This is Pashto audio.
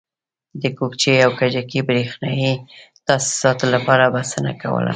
د کوکچې او کجکي برېښنایي تاسیساتو لپاره بسنه کوله.